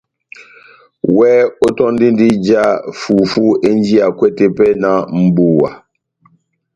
Iwɛ ótɔndindi ija fufú enjiyakwɛ tepɛhɛ náh mʼbuwa